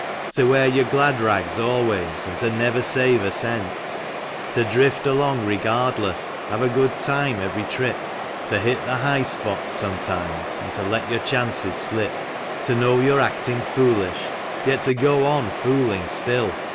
To wear your glad rags always, and to never save a cent; To drift along regardless, have a good time every trip; To hit the high spots sometimes, and to let your chances slip; To know you're acting foolish, yet to go on fooling still.